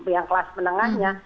yang kelas menengahnya